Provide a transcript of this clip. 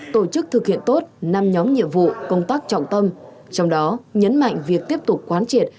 tổ chức thực hiện tốt năm nhóm nhiệm vụ công tác trọng tâm trong đó nhấn mạnh việc tiếp tục quán triệt